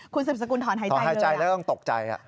คุณสืบสกุลถอนหายใจถอนหายใจแล้วต้องตกใจ